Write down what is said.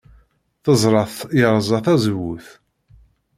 Teẓra-t yerẓa tazewwut.